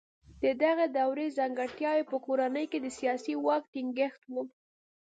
د دغې دورې ځانګړتیاوې په کورنۍ کې د سیاسي واک ټینګښت و.